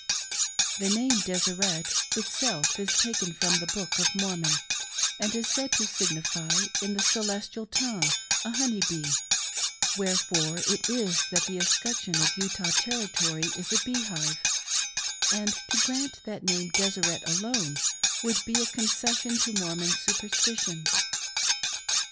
The name " Deseret " itself is taken from the Book of Mormon, and is said to signify in the celestial tongue a honey bee ; wherefore it is that the escutcheon of Utah Terri tory is a bee hive ; and to grant that name " Deseret " alone would be a concession to Mormon superstition.